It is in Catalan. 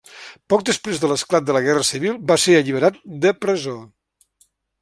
Poc després de l'esclat de la Guerra civil va ser alliberat de presó.